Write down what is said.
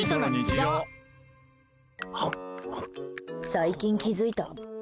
最近、気づいた。